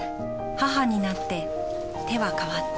母になって手は変わった。